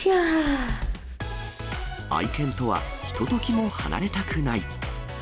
愛犬とは、ひとときも離れたくない。